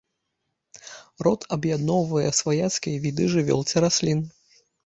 Род аб'ядноўвае сваяцкія віды жывёл ці раслін.